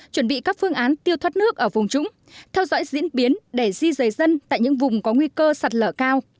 chuẩn bị các phương án tiêu thoát nước ở vùng trũng theo dõi diễn biến để di rời dân tại những vùng có nguy cơ sạt lở cao